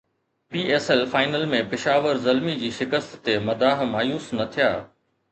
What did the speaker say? P S L final ۾ Peshawar Zalmi جي شڪست تي مداح مايوس نه ٿيا